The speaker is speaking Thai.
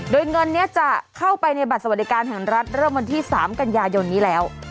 โดยเงินนี้จะเข้าไปในบัตรสวัสดิการแห่งรัฐเริ่มวันที่๓กันยายนนี้แล้ว